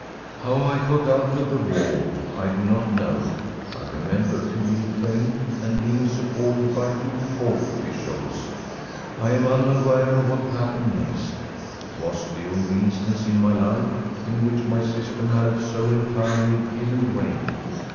How I got out of that vault, I do not know. I remember feeling faint, and being supported by two court officials. I am unaware of what happened next. It was the only instance in my life in which my system had so entirely given way.